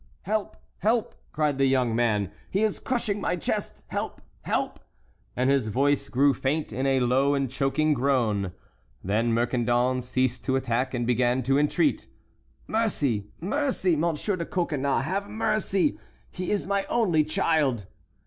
"Help! help!" cried the young man; "he is crushing my chest—help! help!" And his voice grew faint in a low and choking groan. Then Mercandon ceased to attack, and began to entreat. "Mercy, mercy! Monsieur de Coconnas, have mercy!—he is my only child!"